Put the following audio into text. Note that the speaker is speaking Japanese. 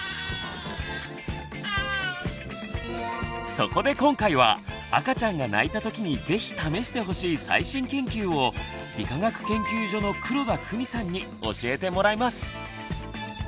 そこで今回は赤ちゃんが泣いたときにぜひ試してほしい最新研究を理化学研究所の黒田公美さんに教えてもらいます！